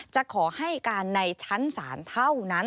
จะขอให้การในชั้นศาลเท่านั้น